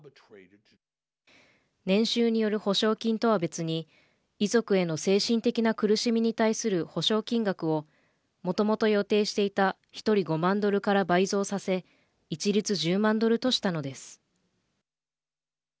年収による補償金とは別に遺族への精神的な苦しみに対する補償金額をもともと予定していた１人５万ドルから倍増させ一律１０万ドルとしたのです。